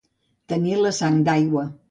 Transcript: Tenir la sang d'aigua.